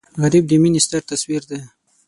غریب د مینې ستر تصویر دی